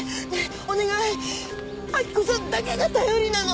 明子さんだけが頼りなの！